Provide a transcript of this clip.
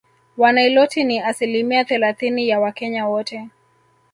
Waniloti ni asilimia thellathini ya Wakenya wote